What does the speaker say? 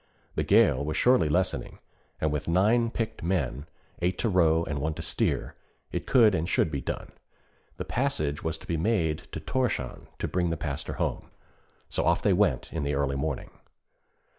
The gale was surely lessening, and with nine picked men, eight to row and one to steer, it could and should be done. The passage was to be made to Thorshavn to bring the Pastor home. So off they went in the early morning.